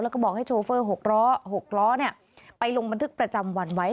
แล้วก็บอกให้โชเฟอร์๖ล้อ๖ล้อไปลงบันทึกประจำวันไว้